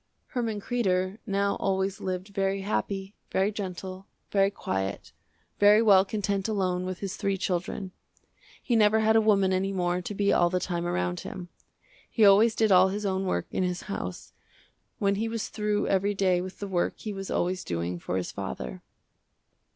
Herman Kreder now always lived very happy, very gentle, very quiet, very well content alone with his three children. He never had a woman any more to be all the time around him. He always did all his own work in his house, when he was through every day with the work he was always doing for his father.